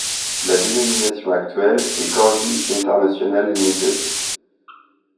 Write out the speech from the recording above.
La dénomination actuelle est Corgi International Limited.